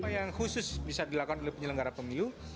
yang khusus bisa dilakukan oleh penyelenggara pemilu